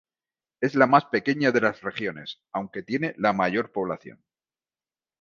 Es la más pequeña de las regiones aunque tiene la mayor población.